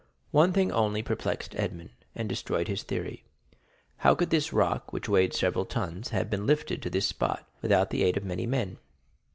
One thing only perplexed Edmond, and destroyed his theory. How could this rock, which weighed several tons, have been lifted to this spot, without the aid of many men?